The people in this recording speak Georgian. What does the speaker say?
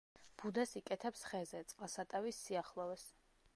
ბუდეს იკეთებს ხეზე, წყალსატევის სიახლოვეს.